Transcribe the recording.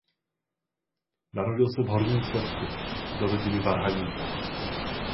Narodil se v Horním Slezsku do rodiny varhaníka.